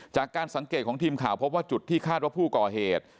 จากการสังเกตของทีมข่าวพบว่าจุดที่คาดว่าผู้ก่อเหตุ